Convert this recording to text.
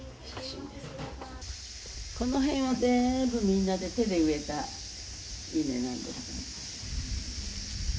「この辺は全部みんなで手で植えた稲なんです」